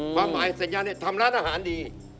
ความหมายสัญญาเนี่ยทำร้านอาหารดี